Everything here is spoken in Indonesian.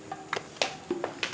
masih gak ber recoil ini